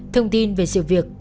thông tin về sự việc